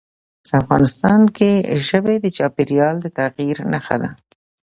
افغانستان کې ژبې د چاپېریال د تغیر نښه ده.